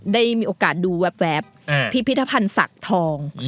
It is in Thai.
ได้มีโอกาสดูแวแปบพิทธพรรณศักดิ์ทอง